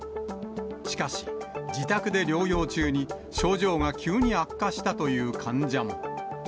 しかし、自宅で療養中に症状が急に悪化したという患者も。